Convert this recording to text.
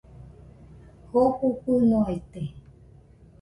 Jofo fɨnoaite